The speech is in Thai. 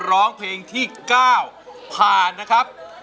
ร้องเพลงที่๙ผ่านนะครับ